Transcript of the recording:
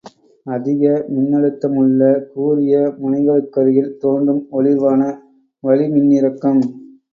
அதிக மின்னழுத்தமுள்ள கூரிய முனைகளுக்கருகில் தோன்றும் ஒளிர்வான வளிமின்னிறக்கம்.